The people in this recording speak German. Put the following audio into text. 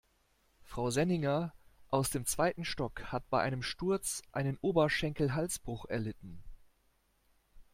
Frau Senninger aus dem zweiten Stock hat bei einem Sturz einen Oberschenkelhalsbruch erlitten.